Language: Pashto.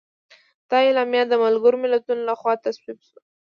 دا اعلامیه د ملګرو ملتونو لخوا تصویب شوه.